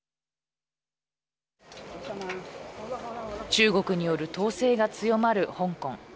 中国による統制が強まる香港。